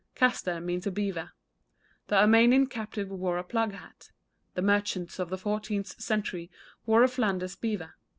Castor means a beaver. The Armenian captive wore a plug hat. The merchants of the fourteenth century wore a Flanders beaver.